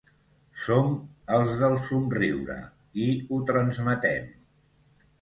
Som “els del somriure” i ho transmetem.